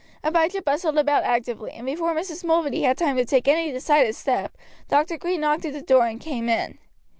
Abijah bustled about actively, and before Mrs. Mulready had time to take any decided step Dr. Green knocked at the door and came in.